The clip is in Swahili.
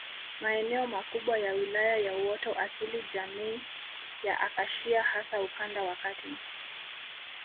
Maeneo makubwa ya Wilaya ya uoto asili jamii ya Akashia hasa ukanda wa Kati